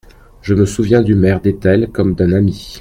Je me souviens du maire d'Etel comme d'un ami.